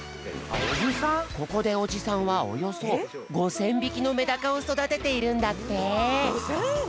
ここでおじさんはおよそ５，０００びきのメダカをそだてているんだって。